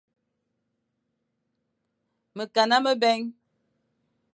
Mekana mebè.